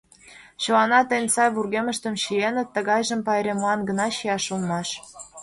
Чыланат эн сай вургемыштым чиеныт, тыгайжым пайремлан гына чият улмаш.